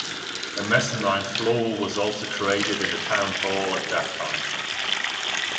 A mezzanine floor was also created in the town hall at that time.